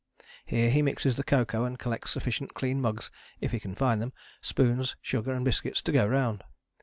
Here he mixes the cocoa and collects sufficient clean mugs (if he can find them), spoons, sugar and biscuits to go round.